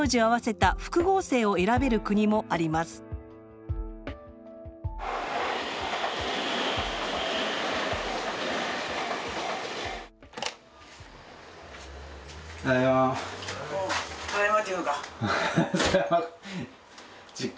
ただいま。